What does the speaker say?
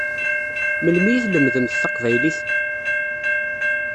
Memli i tlemdemt taqbaylit?